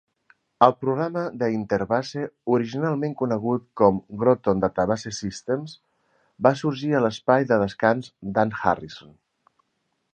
El programa de InterBase, originalment conegut com Groton Database Systems, va sorgir a l'espai de descans d'Ann Harrison.